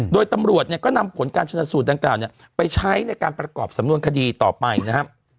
โดยตำรวจเนี่ยก็นำผลการชนะสูตรดังกล่าวเนี่ยไปใช้ในการประกอบสำนวนคดีต่อไปนะครับ